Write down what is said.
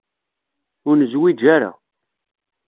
Ur nezwiǧ ara.